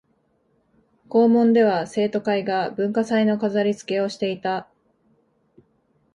校門では生徒会が文化祭の飾りつけをしていた